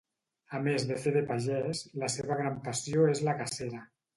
A més de fer de pagès, la seva gran passió és la cacera.